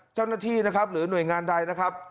เจ้าหน้าที่นะครับหรือหน่วยงานใดนะครับ